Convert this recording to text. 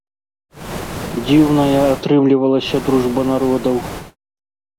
Дзіўная атрымлівалася дружба народаў!